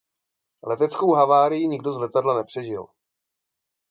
Leteckou havárii nikdo z letadla nepřežil.